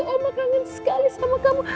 emang kangen sekali sama kamu